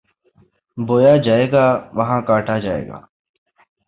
بویا جائے گا، وہاں کاٹا جائے گا۔